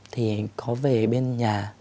thì có về bên nhà